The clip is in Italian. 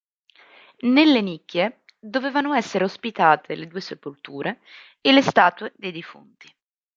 Nelle nicchie dovevano essere ospitate le due sepolture e le statue dei defunti.